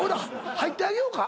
入ってあげようか？